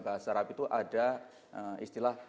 bahasa arab itu ada istilah